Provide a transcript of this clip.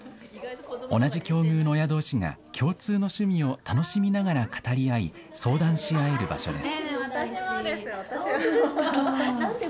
同じ境遇の親どうしが共通の趣味を楽しみながら語り合い、相談し合える場所です。